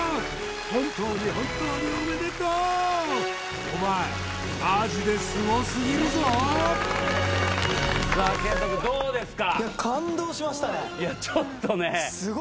本当に本当におめでとうお前マジですごすぎるぞさあ健人くんどうですか？